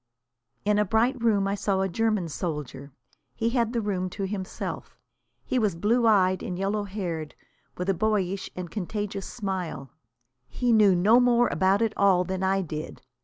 In a bright room I saw a German soldier. He had the room to himself. He was blue eyed and yellow haired, with a boyish and contagious smile. He knew no more about it all than I did.